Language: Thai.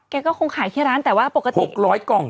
แกก็คงขายที่ร้านแต่ว่าปกติ